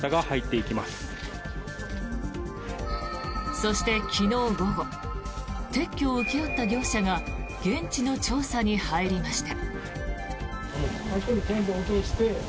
そして、昨日午後撤去を請け負った業者が現地の調査に入りました。